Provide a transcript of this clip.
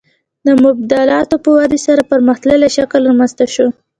د مبادلاتو په ودې سره پرمختللی شکل رامنځته شو